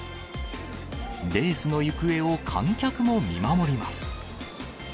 レースの行方を観客も見守ります。